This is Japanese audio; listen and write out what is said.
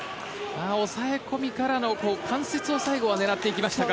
抑え込みからの関節を最後は狙っていきましたが。